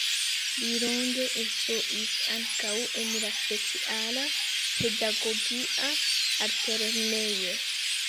Li longe instruis ankaŭ en la speciala pedagogia altlernejo.